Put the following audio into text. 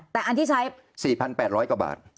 แต่อันที่ใช้๔๘๐๐กว่าบาท